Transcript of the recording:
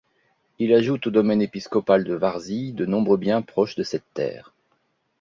Il ajoute au domaine épiscopal de Varzy de nombreux biens proches de cette terre.